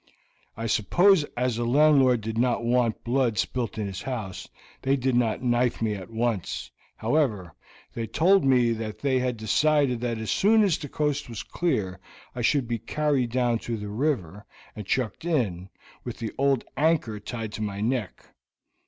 "I suppose, as the landlord did not want blood spilt in his house, they did not knife me at once; however, they told me that they had decided that as soon as the coast was clear I should be carried down to the river, and chucked in, with an old anchor tied to my neck.